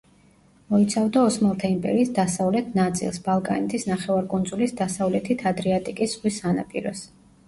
მოიცავდა ოსმალთა იმპერიის დასავლეთ ნაწილს, ბალკანეთის ნახევარკუნძულის დასავლეთით ადრიატიკის ზღვის სანაპიროს.